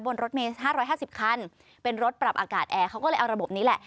รถเมย์๕๕๐คันเป็นรถปรับอากาศแอร์เขาก็เลยเอาระบบนี้แหละ